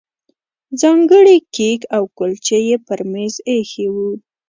ځانګړي کیک او کولچې یې پر مېز ایښي وو.